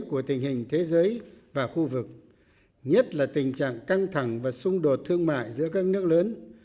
của tình hình thế giới và khu vực nhất là tình trạng căng thẳng và xung đột thương mại giữa các nước lớn